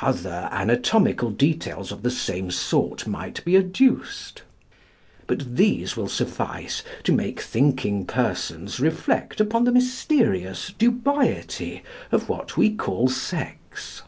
Other anatomical details of the same sort might be adduced. But these will suffice to make thinking persons reflect upon the mysterious dubiety of what we call sex.